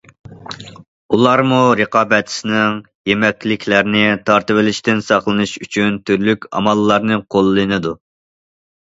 ئۇلارمۇ رىقابەتچىسىنىڭ يېمەكلىكلەرنى تارتىۋېلىشىدىن ساقلىنىش ئۈچۈن تۈرلۈك ئاماللارنى قوللىنىدۇ.